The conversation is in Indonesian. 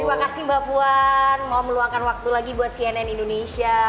terima kasih mbak puan mau meluangkan waktu lagi buat cnn indonesia